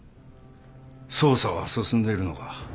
捜査は進んでるのか？